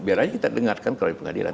biar aja kita dengarkan kalau di pengadilan